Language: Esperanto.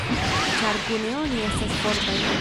Ĉar kune oni estas fortaj.